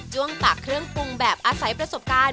้วงตากเครื่องปรุงแบบอาศัยประสบการณ์